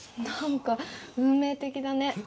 何か運命的だね。